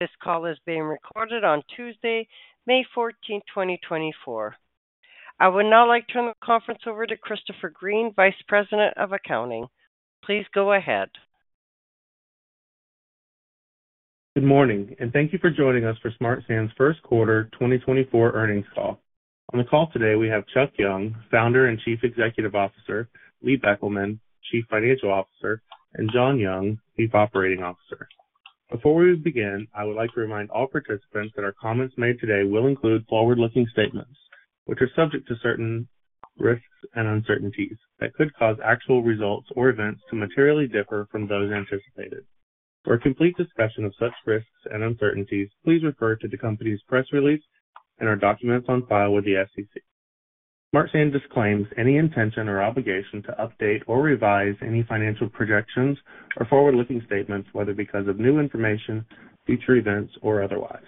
This call is being recorded on Tuesday, May 14, 2024. I would now like to turn the conference over to Christopher Green, Vice President of Accounting. Please go ahead. Good morning, and thank you for joining us for Smart Sand's first quarter 2024 earnings call. On the call today, we have Chuck Young, Founder and Chief Executive Officer, Lee Beckelman, Chief Financial Officer, and John Young, Chief Operating Officer. Before we begin, I would like to remind all participants that our comments made today will include forward-looking statements, which are subject to certain risks and uncertainties that could cause actual results or events to materially differ from those anticipated. For a complete discussion of such risks and uncertainties, please refer to the company's press release and our documents on file with the SEC. Smart Sand disclaims any intention or obligation to update or revise any financial projections or forward-looking statements, whether because of new information, future events, or otherwise.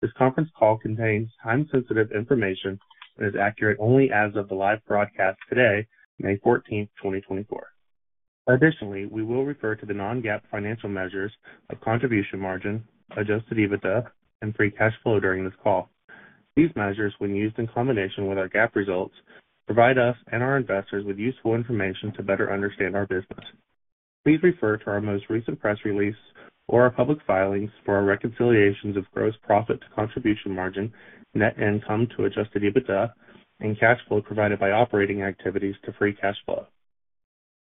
This conference call contains time-sensitive information and is accurate only as of the live broadcast today, May 14, 2024. Additionally, we will refer to the non-GAAP financial measures of contribution margin, Adjusted EBITDA, and free cash flow during this call. These measures, when used in combination with our GAAP results, provide us and our investors with useful information to better understand our business. Please refer to our most recent press release or our public filings for our reconciliations of gross profit to contribution margin, net income to Adjusted EBITDA, and cash flow provided by operating activities to free cash flow.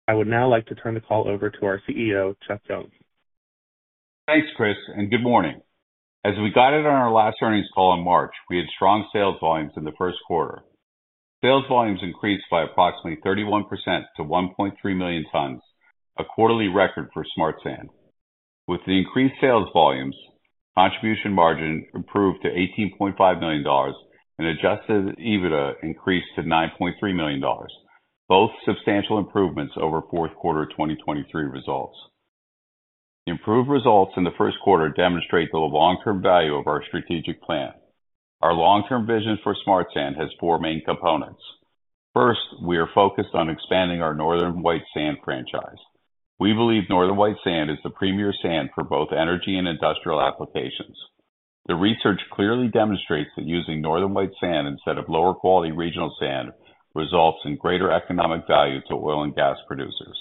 I would now like to turn the call over to our CEO, Chuck Young. Thanks, Chris, and good morning. As we guided on our last earnings call in March, we had strong sales volumes in the first quarter. Sales volumes increased by approximately 31% to 1.3 million tons, a quarterly record for Smart Sand. With the increased sales volumes, contribution margin improved to $18.5 million, and Adjusted EBITDA increased to $9.3 million, both substantial improvements over fourth quarter 2023 results. The improved results in the first quarter demonstrate the long-term value of our strategic plan. Our long-term vision for Smart Sand has four main components. First, we are focused on expanding our Northern White Sand franchise. We believe Northern White Sand is the premier sand for both energy and industrial applications. The research clearly demonstrates that using Northern White Sand instead of lower-quality regional sand results in greater economic value to oil and gas producers.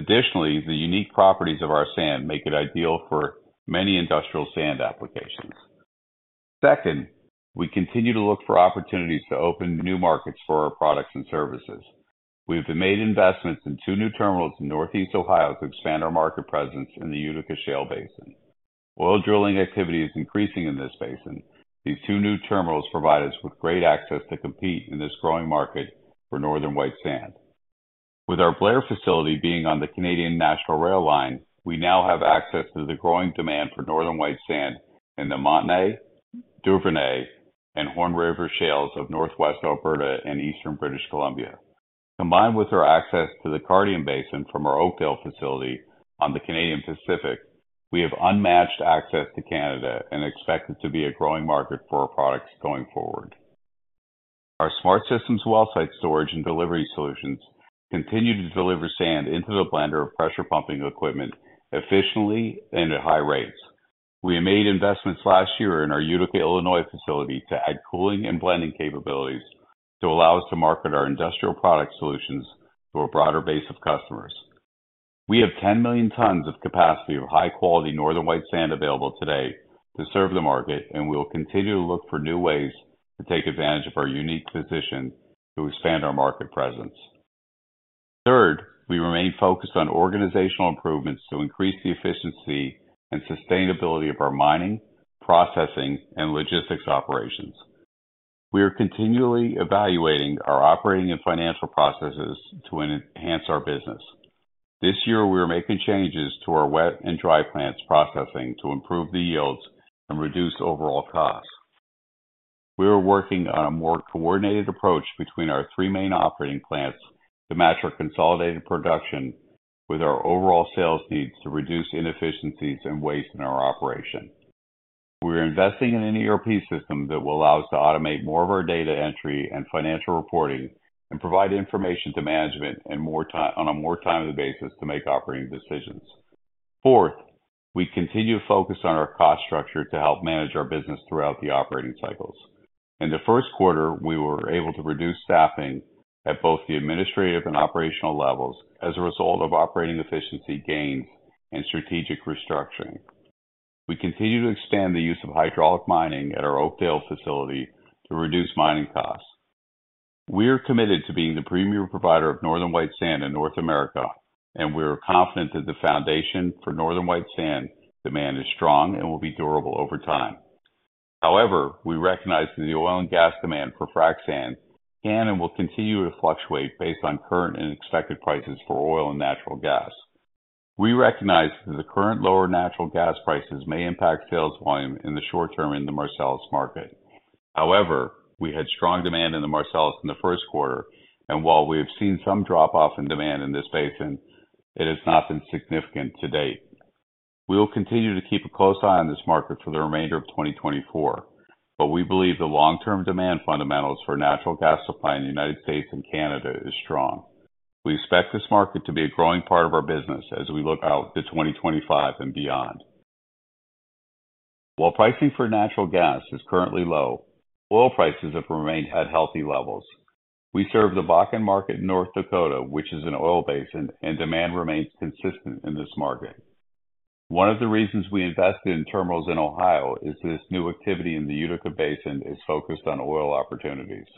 Additionally, the unique properties of our sand make it ideal for many industrial sand applications. Second, we continue to look for opportunities to open new markets for our products and services. We have made investments in two new terminals in Northeast Ohio to expand our market presence in the Utica Shale Basin. Oil drilling activity is increasing in this basin. These two new terminals provide us with great access to compete in this growing market for Northern White Sand. With our Blair facility being on the Canadian National rail line, we now have access to the growing demand for Northern White Sand in the Montney, Duvernay, and Horn River Shales of Northwest Alberta and Eastern British Columbia. Combined with our access to the Cardium Basin from our Oakdale facility on the Canadian Pacific, we have unmatched access to Canada and expect it to be a growing market for our products going forward. Our Smart Systems well site storage and delivery solutions continue to deliver sand into the blender of pressure pumping equipment efficiently and at high rates. We made investments last year in our Utica, Illinois, facility to add cooling and blending capabilities to allow us to market our industrial product solutions to a broader base of customers. We have 10 million tons of capacity of high-quality Northern White Sand available today to serve the market, and we will continue to look for new ways to take advantage of our unique position to expand our market presence. Third, we remain focused on organizational improvements to increase the efficiency and sustainability of our mining, processing, and logistics operations. We are continually evaluating our operating and financial processes to enhance our business. This year, we are making changes to our wet and dry plants processing to improve the yields and reduce overall costs. We are working on a more coordinated approach between our three main operating plants to match our consolidated production with our overall sales needs to reduce inefficiencies and waste in our operation. We are investing in an ERP system that will allow us to automate more of our data entry and financial reporting and provide information to management on a more timely basis to make operating decisions. Fourth, we continue to focus on our cost structure to help manage our business throughout the operating cycles. In the first quarter, we were able to reduce staffing at both the administrative and operational levels as a result of operating efficiency gains and strategic restructuring. We continue to expand the use of hydraulic mining at our Oakdale facility to reduce mining costs. We are committed to being the premier provider of Northern White Sand in North America, and we are confident that the foundation for Northern White Sand demand is strong and will be durable over time. However, we recognize that the oil and gas demand for frac sand can and will continue to fluctuate based on current and expected prices for oil and natural gas. We recognize that the current lower natural gas prices may impact sales volume in the short term in the Marcellus market. However, we had strong demand in the Marcellus in the first quarter, and while we have seen some drop-off in demand in this basin, it has not been significant to date. We will continue to keep a close eye on this market for the remainder of 2024, but we believe the long-term demand fundamentals for natural gas supply in the United States and Canada is strong. We expect this market to be a growing part of our business as we look out to 2025 and beyond. While pricing for natural gas is currently low, oil prices have remained at healthy levels. We serve the Bakken market in North Dakota, which is an oil basin, and demand remains consistent in this market. One of the reasons we invested in terminals in Ohio is this new activity in the Utica Basin is focused on oil opportunities.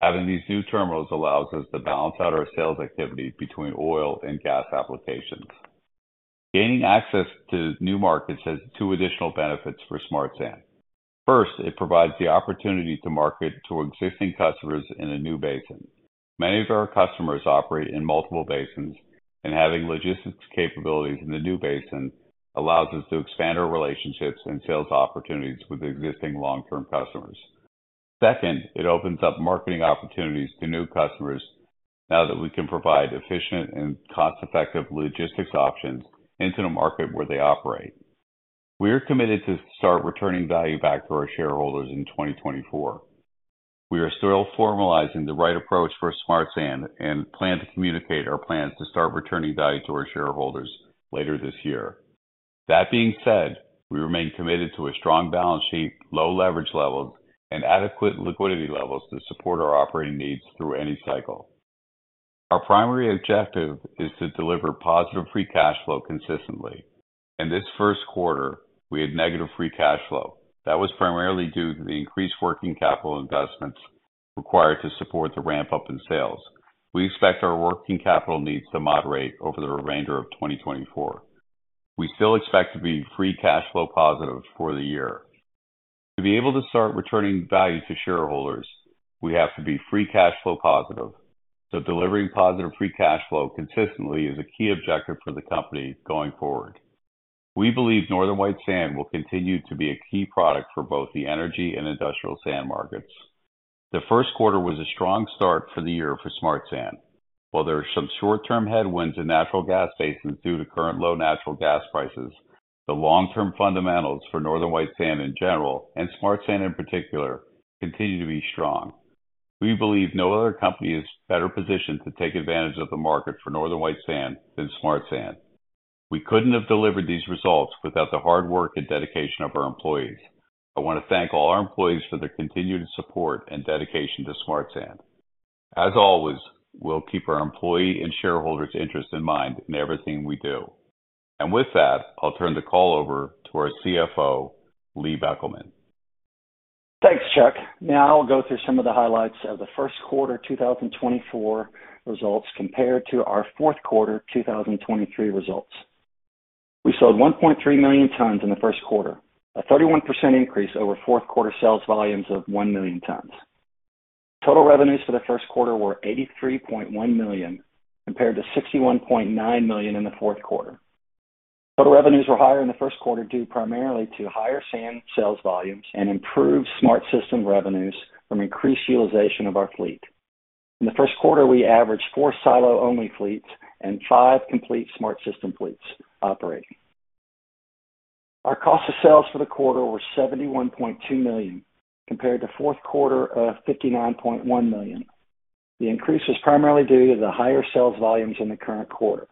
Having these new terminals allows us to balance out our sales activity between oil and gas applications. Gaining access to new markets has two additional benefits for Smart Sand. First, it provides the opportunity to market to existing customers in a new basin. Many of our customers operate in multiple basins, and having logistics capabilities in the new basin allows us to expand our relationships and sales opportunities with existing long-term customers. Second, it opens up marketing opportunities to new customers now that we can provide efficient and cost-effective logistics options into the market where they operate. We are committed to start returning value back to our shareholders in 2024. We are still formalizing the right approach for Smart Sand and plan to communicate our plans to start returning value to our shareholders later this year. That being said, we remain committed to a strong balance sheet, low leverage levels, and adequate liquidity levels to support our operating needs through any cycle. Our primary objective is to deliver positive free cash flow consistently. In this first quarter, we had negative free cash flow. That was primarily due to the increased working capital investments required to support the ramp-up in sales. We expect our working capital needs to moderate over the remainder of 2024. We still expect to be free cash flow positive for the year. To be able to start returning value to shareholders, we have to be free cash flow positive, so delivering positive free cash flow consistently is a key objective for the company going forward. We believe Northern White Sand will continue to be a key product for both the energy and industrial sand markets. The first quarter was a strong start for the year for Smart Sand. While there are some short-term headwinds in natural gas basins due to current low natural gas prices, the long-term fundamentals for Northern White Sand in general, and Smart Sand in particular, continue to be strong. We believe no other company is better positioned to take advantage of the market for Northern White Sand than Smart Sand. We couldn't have delivered these results without the hard work and dedication of our employees. I want to thank all our employees for their continued support and dedication to Smart Sand. As always, we'll keep our employee and shareholders' interest in mind in everything we do. With that, I'll turn the call over to our CFO, Lee Beckelman. Thanks, Chuck. Now I'll go through some of the highlights of the first quarter 2024 results compared to our fourth quarter 2023 results. We sold 1.3 million tons in the first quarter, a 31% increase over fourth quarter sales volumes of 1 million tons. Total revenues for the first quarter were $83.1 million, compared to $61.9 million in the fourth quarter. Total revenues were higher in the first quarter, due primarily to higher sand sales volumes and improved Smart Systems revenues from increased utilization of our fleet. In the first quarter, we averaged four silo-only fleets and five complete Smart Systems fleets operating. Our cost of sales for the quarter were $71.2 million, compared to fourth quarter of $59.1 million. The increase was primarily due to the higher sales volumes in the current quarter.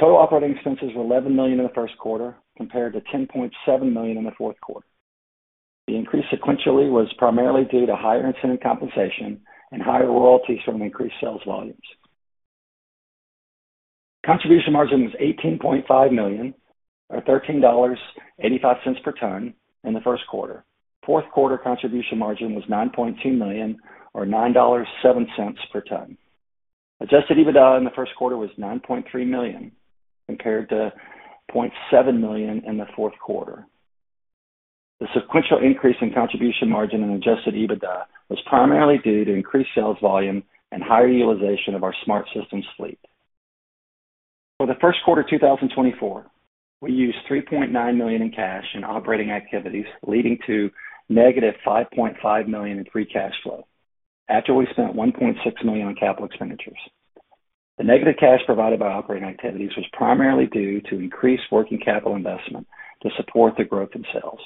Total operating expenses were $11 million in the first quarter, compared to $10.7 million in the fourth quarter. The increase sequentially was primarily due to higher incentive compensation and higher royalties from increased sales volumes. Contribution margin was $18.5 million, or $13.85 per ton in the first quarter. Fourth quarter contribution margin was $9.2 million, or $9.07 per ton. Adjusted EBITDA in the first quarter was $9.3 million, compared to $0.7 million in the fourth quarter. The sequential increase in contribution margin and Adjusted EBITDA was primarily due to increased sales volume and higher utilization of our Smart Systems fleet. For the first quarter 2024, we used $3.9 million in cash in operating activities, leading to negative $5.5 million in free cash flow. After we spent $1.6 million on capital expenditures. The negative cash provided by operating activities was primarily due to increased working capital investment to support the growth in sales.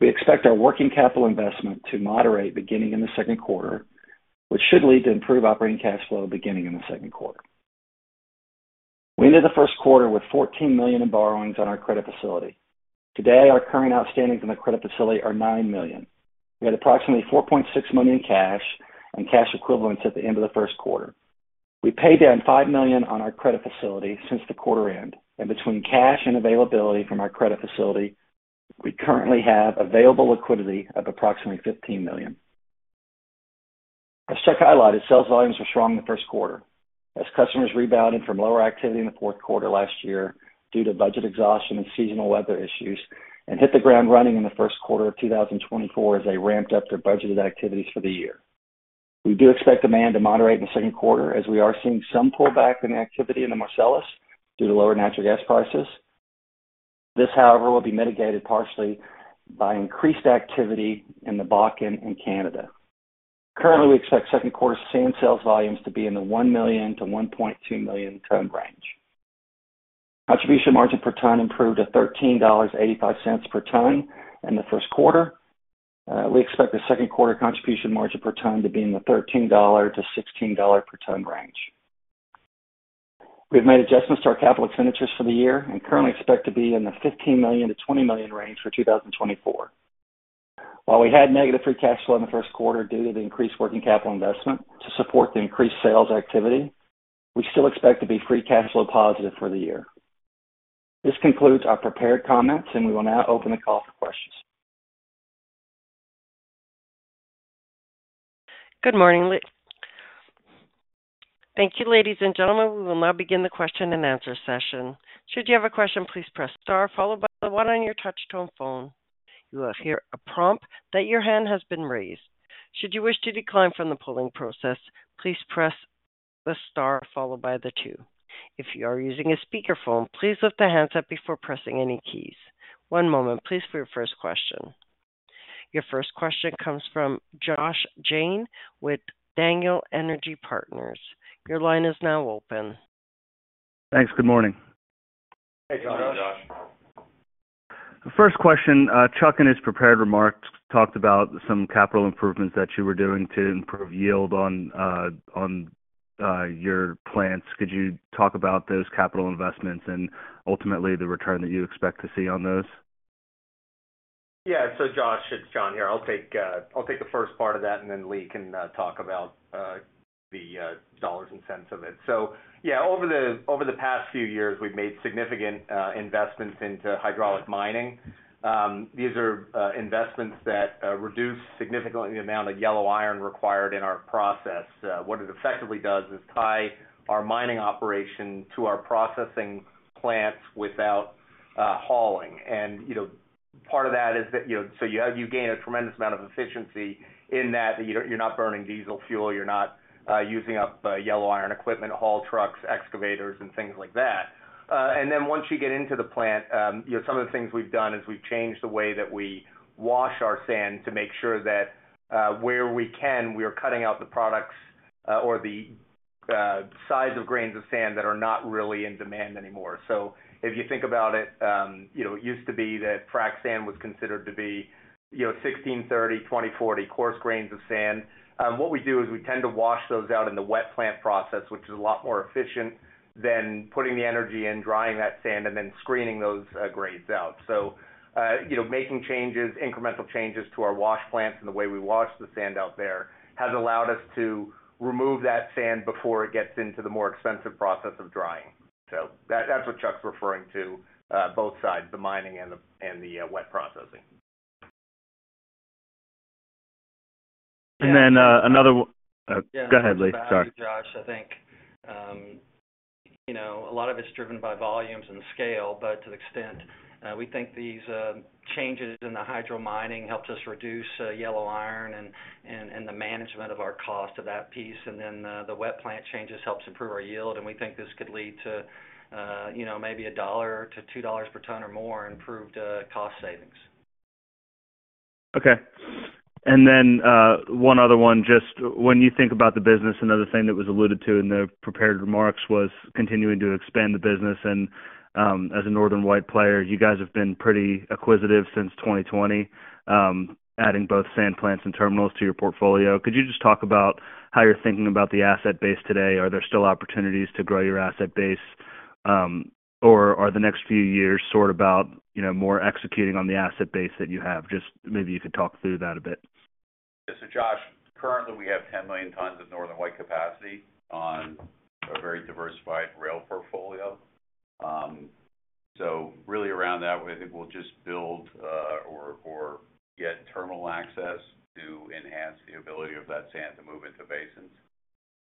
We expect our working capital investment to moderate beginning in the second quarter, which should lead to improved operating cash flow beginning in the second quarter. We ended the first quarter with $14 million in borrowings on our credit facility. Today, our current outstandings in the credit facility are $9 million. We had approximately $4.6 million in cash and cash equivalents at the end of the first quarter. We paid down $5 million on our credit facility since the quarter end, and between cash and availability from our credit facility, we currently have available liquidity of approximately $15 million. As Chuck Young highlighted, sales volumes were strong in the first quarter as customers rebounded from lower activity in the fourth quarter last year due to budget exhaustion and seasonal weather issues, and hit the ground running in the first quarter of 2024 as they ramped up their budgeted activities for the year. We do expect demand to moderate in the second quarter, as we are seeing some pullback in activity in the Marcellus due to lower natural gas prices. This, however, will be mitigated partially by increased activity in the Bakken and Canada. Currently, we expect second quarter sand sales volumes to be in the 1 million-1.2 million ton range. Contribution margin per ton improved to $13.85 per ton in the first quarter. We expect the second quarter contribution margin per ton to be in the $13-$16 per ton range. We've made adjustments to our capital expenditures for the year and currently expect to be in the $15 million-$20 million range for 2024. While we had negative free cash flow in the first quarter due to the increased working capital investment to support the increased sales activity, we still expect to be free cash flow positive for the year. This concludes our prepared comments, and we will now open the call for questions. Good morning, thank you, ladies and gentlemen. We will now begin the question and answer session. Should you have a question, please press star followed by the one on your touch-tone phone. You will hear a prompt that your hand has been raised. Should you wish to decline from the polling process, please press the star followed by the two. If you are using a speakerphone, please lift the handset before pressing any keys. One moment, please, for your first question. Your first question comes from Josh Jayne with Daniel Energy Partners. Your line is now open. Thanks. Good morning. Hey, Josh. Hey, Josh. First question, Chuck, in his prepared remarks, talked about some capital improvements that you were doing to improve yield on your plants. Could you talk about those capital investments and ultimately the return that you expect to see on those? Yeah. So, Josh, it's John here. I'll take, I'll take the first part of that, and then Lee can talk about the dollars and cents of it. So yeah, over the past few years, we've made significant investments into hydraulic mining. These are investments that reduce significantly the amount of yellow iron required in our process. What it effectively does is tie our mining operation to our processing plants without hauling. And, you know, part of that is that, you know, so you gain a tremendous amount of efficiency in that, you're not burning diesel fuel, you're not using up yellow iron equipment, haul trucks, excavators, and things like that. And then once you get into the plant, you know, some of the things we've done is we've changed the way that we wash our sand to make sure that, where we can, we are cutting out the products, or the size of grains of sand that are not really in demand anymore. So if you think about it, you know, it used to be that frac sand was considered to be, you know, 16/30, 20/40 coarse grains of sand. What we do is we tend to wash those out in the wet plant process, which is a lot more efficient than putting the energy in, drying that sand, and then screening those grades out. So, you know, making changes, incremental changes to our wash plants and the way we wash the sand out there, has allowed us to remove that sand before it gets into the more expensive process of drying. So that, that's what Chuck's referring to, both sides, the mining and the wet processing. And then, another one... Go ahead, Lee. Sorry. Josh, I think, you know, a lot of it's driven by volumes and scale, but to the extent we think these changes in the hydro mining helps us reduce yellow iron and the management of our cost of that piece, and then the wet plant changes helps improve our yield, and we think this could lead to, you know, maybe $1-$2 per ton or more improved cost savings. Okay. Then, one other one, just when you think about the business, another thing that was alluded to in the prepared remarks was continuing to expand the business. And, as a Northern White player, you guys have been pretty acquisitive since 2020, adding both sand plants and terminals to your portfolio. Could you just talk about how you're thinking about the asset base today? Are there still opportunities to grow your asset base, or are the next few years sort about, you know, more executing on the asset base that you have? Just maybe you could talk through that a bit. This is Josh. Currently, we have 10 million tons of Northern White capacity on a very diversified rail portfolio. So really around that, I think we'll just build, or get terminal access to enhance the ability of that sand to move into basins.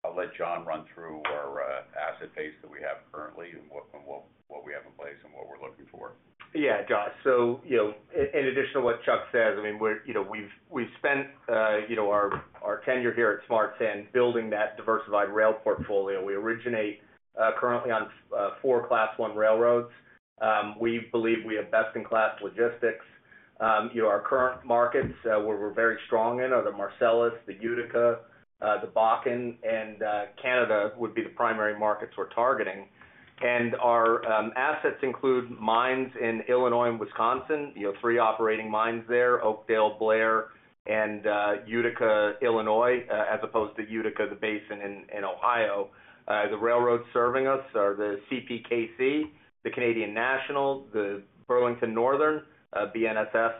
I'll let John run through our asset base that we have currently and what we have in place and what we're looking for. Yeah, Josh. So, you know, in addition to what Chuck says, I mean, we're you know, we've spent, you know, our tenure here at Smart Sand, building that diversified rail portfolio. We originate currently on four Class I railroads. We believe we have best-in-class logistics. You know, our current markets where we're very strong in are the Marcellus, the Utica, the Bakken, and Canada would be the primary markets we're targeting. And our assets include mines in Illinois and Wisconsin. You know, three operating mines there, Oakdale, Blair, and Utica, Illinois, as opposed to Utica, the basin in Ohio. The railroads serving us are the CPKC, the Canadian National, the Burlington Northern, BNSF,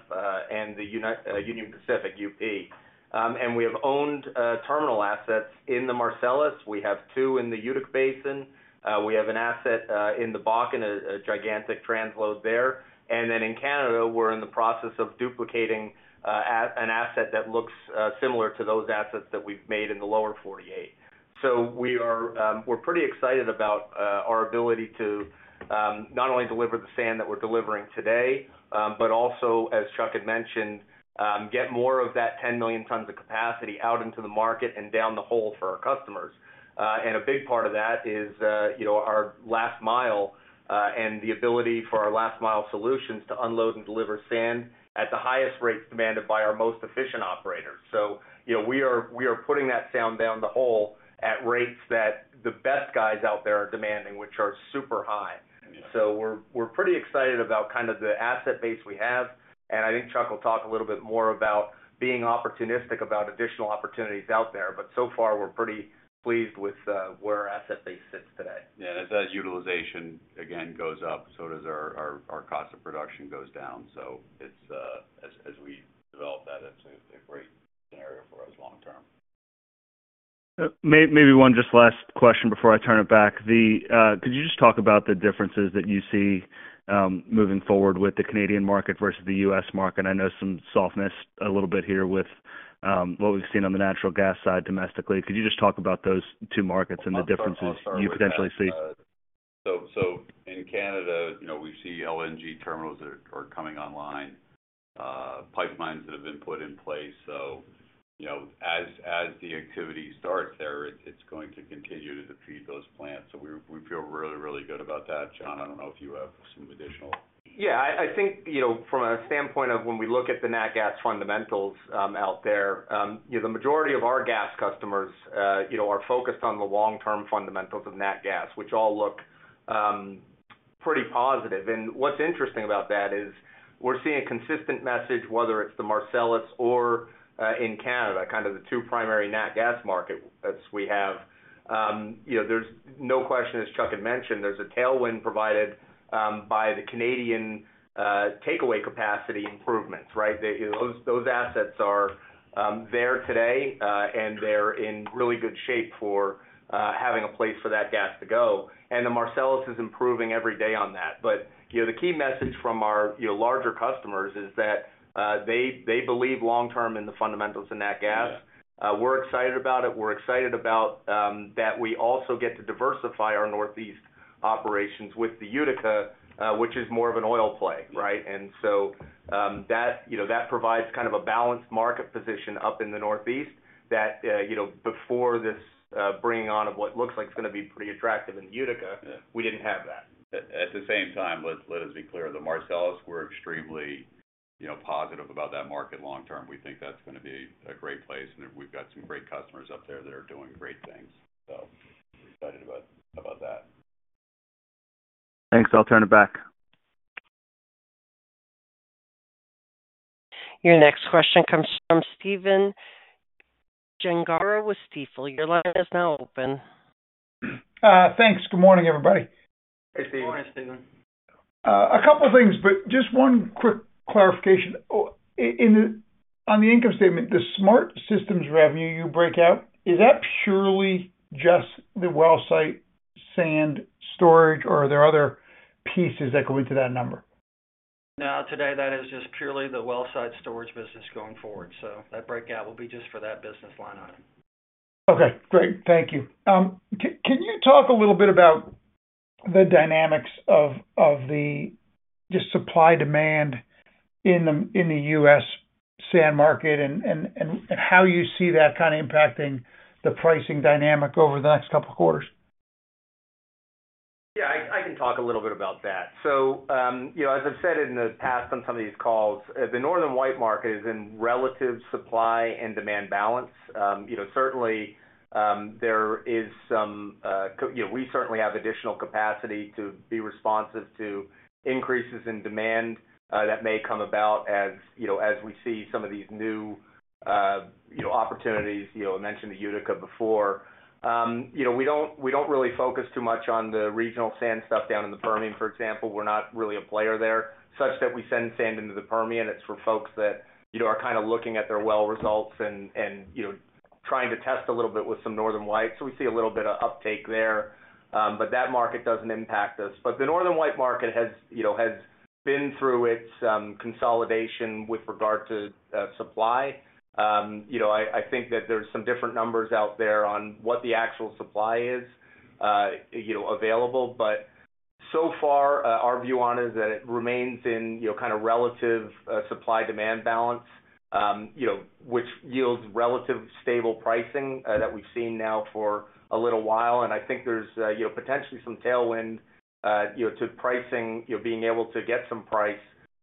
and the Union Pacific, UP. And we have owned terminal assets in the Marcellus. We have two in the Utica Basin. We have an asset in the Bakken, a gigantic transload there. And then in Canada, we're in the process of duplicating an asset that looks similar to those assets that we've made in the Lower 48. So we are, we're pretty excited about our ability to not only deliver the sand that we're delivering today, but also, as Chuck had mentioned, get more of that 10 million tons of capacity out into the market and down the hole for our customers. And a big part of that is, you know, our last mile, and the ability for our last-mile solutions to unload and deliver sand at the highest rates demanded by our most efficient operators. So you know, we are, we are putting that sand down the hole at rates that the best guys out there are demanding, which are super high. So we're, we're pretty excited about kind of the asset base we have, and I think Chuck will talk a little bit more about being opportunistic about additional opportunities out there. So far, we're pretty pleased with where our asset base sits today. Yeah, as that utilization, again, goes up, so does our cost of production goes down. So it's, as we develop that, it's a great scenario for us long term. Maybe just one last question before I turn it back. Could you just talk about the differences that you see, moving forward with the Canadian market versus the U.S. market? I know some softness a little bit here with what we've seen on the natural gas side domestically. Could you just talk about those two markets and the differences you potentially see? So, in Canada, you know, we see LNG terminals that are coming online, pipelines that have been put in place. So, you know, as the activity starts there, it's going to continue to feed those plants. So we feel really, really good about that. John, I don't know if you have some additional. Yeah, I think, you know, from a standpoint of when we look at the nat gas fundamentals out there, you know, the majority of our gas customers, you know, are focused on the long-term fundamentals of nat gas, which all look pretty positive. And what's interesting about that is, we're seeing a consistent message, whether it's the Marcellus or, in Canada, kind of the two primary nat gas market as we have. You know, there's no question, as Chuck had mentioned, there's a tailwind provided by the Canadian takeaway capacity improvements, right? Those assets are there today, and they're in really good shape for having a place for that gas to go. And the Marcellus is improving every day on that. You know, the key message from our, you know, larger customers is that they believe long term in the fundamentals of nat gas. Yeah. We're excited about it. We're excited about that we also get to diversify our Northeast operations with the Utica, which is more of an oil play, right? Yeah. And so, you know, that provides kind of a balanced market position up in the Northeast that, you know, before this, bringing on of what looks like it's gonna be pretty attractive in Utica- Yeah... we didn't have that. At the same time, let us be clear, the Marcellus, we're extremely, you know, positive about that market long term. We think that's gonna be a great place, and we've got some great customers up there that are doing great things. So we're excited about, about that. Thanks. I'll turn it back. Your next question comes from Stephen Gengaro with Stifel. Your line is now open. Thanks. Good morning, everybody. Hey, Steven. Good morning, Stephen. A couple of things, but just one quick clarification. Oh, on the income statement, the Smart Systems revenue you break out, is that purely just the well site sand storage, or are there other pieces that go into that number? No, today, that is just purely the well site storage business going forward. That breakout will be just for that business line item. Okay, great. Thank you. Can you talk a little bit about the dynamics of just the supply-demand in the U.S. sand market and how you see that kind of impacting the pricing dynamic over the next couple of quarters? Yeah, I can talk a little bit about that. So, you know, as I've said in the past on some of these calls, the Northern White market is in relative supply and demand balance. You know, certainly, we certainly have additional capacity to be responsive to increases in demand, that may come about as, you know, as we see some of these new, you know, opportunities. You know, I mentioned the Utica before. You know, we don't, we don't really focus too much on the regional sand stuff down in the Permian, for example. We're not really a player there, such that we send sand into the Permian. It's for folks that, you know, are kind of looking at their well results and, you know, trying to test a little bit with some Northern White. So we see a little bit of uptake there, but that market doesn't impact us. But the Northern White market has, you know, been through its, consolidation with regard to, supply. You know, I think that there's some different numbers out there on what the actual supply is, you know, available. But so far, our view on it is that it remains in, you know, kind of relative, supply-demand balance, you know, which yields relative stable pricing, that we've seen now for a little while. I think there's, you know, potentially some tailwind, you know, to pricing, you know, being able to get some price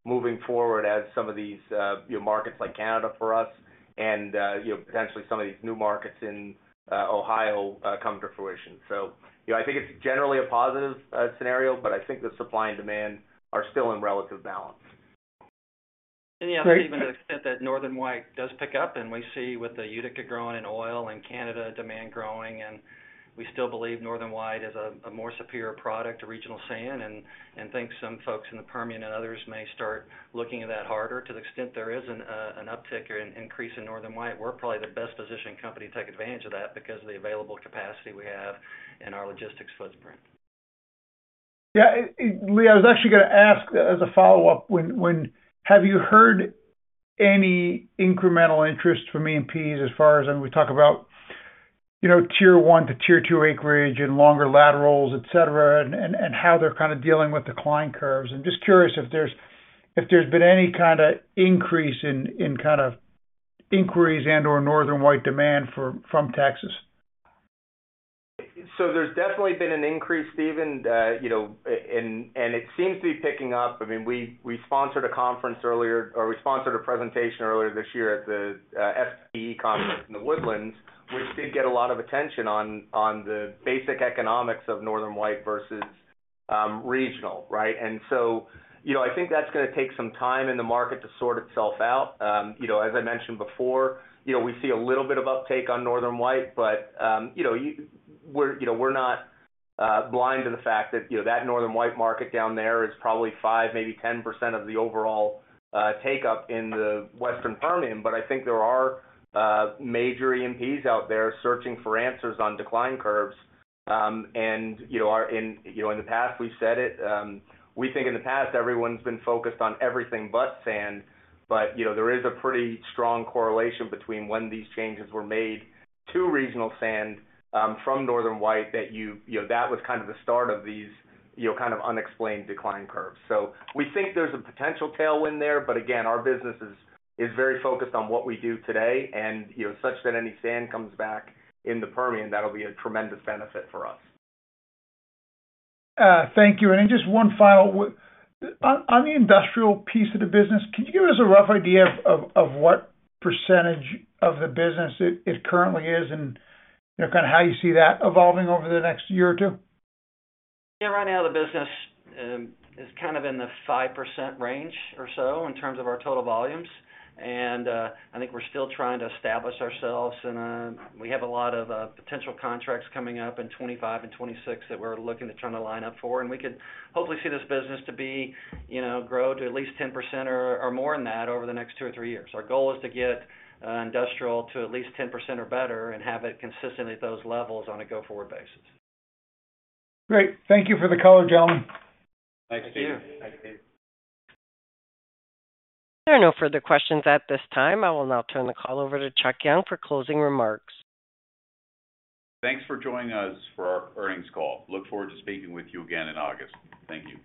moving forward as some of these, you know, markets like Canada for us and, you know, potentially some of these new markets in, Ohio, come to fruition. So, you know, I think it's generally a positive, scenario, but I think the supply and demand are still in relative balance. Great- Yeah, even to the extent that Northern White does pick up, and we see with the Utica growing in oil and Canada demand growing, and we still believe Northern White is a more superior product to regional sand, and think some folks in the Permian and others may start looking at that harder. To the extent there is an uptick or an increase in Northern White, we're probably the best-positioned company to take advantage of that because of the available capacity we have and our logistics footprint. Yeah, Lee, I was actually gonna ask as a follow-up. Have you heard any incremental interest from E&Ps as far as, and we talk about, you know, Tier 1 to Tier 2 acreage and longer laterals, et cetera, and how they're kind of dealing with decline curves? I'm just curious if there's been any kind of increase in kind of inquiries and/or Northern White demand for—from Texas. So there's definitely been an increase, Stephen, you know, and it seems to be picking up. I mean, we, we sponsored a conference earlier, or we sponsored a presentation earlier this year at the SPE conference in The Woodlands, which did get a lot of attention on the basic economics of Northern White versus regional, right? And so, you know, I think that's gonna take some time in the market to sort itself out. You know, as I mentioned before, you know, we see a little bit of uptake on Northern White, but, you know, we're not blind to the fact that, you know, that Northern White market down there is probably 5, maybe 10% of the overall take-up in the Western Permian. But I think there are major E&Ps out there searching for answers on decline curves. And, you know, in the past, we've said it. We think in the past, everyone's been focused on everything but sand. But, you know, there is a pretty strong correlation between when these changes were made to regional sand from Northern White, that you know, that was kind of the start of these, you know, kind of unexplained decline curves. So we think there's a potential tailwind there, but again, our business is very focused on what we do today, and, you know, such that any sand comes back in the Permian, that'll be a tremendous benefit for us. Thank you. And then just one final question on the industrial piece of the business, can you give us a rough idea of what percentage of the business it currently is, and, you know, kind of how you see that evolving over the next year or two? Yeah, right now, the business is kind of in the 5% range or so in terms of our total volumes. And I think we're still trying to establish ourselves, and we have a lot of potential contracts coming up in 2025 and 2026 that we're looking to try to line up for. And we could hopefully see this business to be, you know, grow to at least 10% or more than that over the next two or three years. Our goal is to get industrial to at least 10% or better and have it consistent at those levels on a go-forward basis. Great. Thank you for the color, gentlemen. Thanks, Steve. Thank you. There are no further questions at this time. I will now turn the call over to Chuck Young for closing remarks. Thanks for joining us for our earnings call. Look forward to speaking with you again in August. Thank you.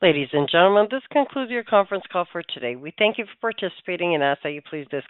Ladies and gentlemen, this concludes your conference call for today. We thank you for participating and ask that you please disconnect.